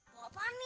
mau apaan nih